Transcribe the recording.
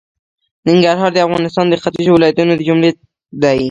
ننګرهار د افغانستان د ختېځو ولایتونو د جملې څخه دی.